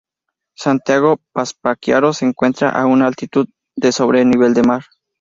Santiago Papasquiaro se encuentra a una altitud de sobre el nivel del mar.